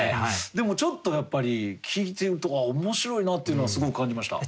でもちょっとやっぱり聞いてると面白いなっていうのはすごく感じました。